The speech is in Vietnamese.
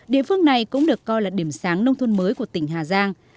địa phương này cũng được coi là điểm sáng nông thôn mới của tỉnh hà giang